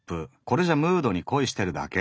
これじゃムードに恋してるだけ。